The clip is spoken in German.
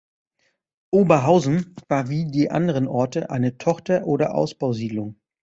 Oberhausen war wie die anderen Orte eine „Tochter-“ oder „Ausbausiedlung“.